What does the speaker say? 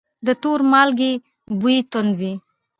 د تور مالګې بوی توند وي.